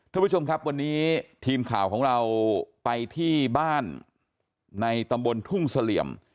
ท่านผู้ชมครับวันนี้ทีมข่าวของเราไปที่บ้านในตำบลทุ่งเสลี่ยม